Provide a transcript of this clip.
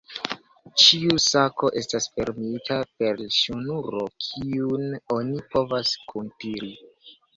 Ĉiu sako estas fermita per ŝnuro, kiun oni povas kuntiri.